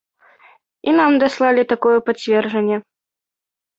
І нам даслалі такое пацверджанне.